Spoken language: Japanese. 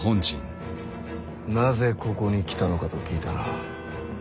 なぜここに来たのかと聞いたな。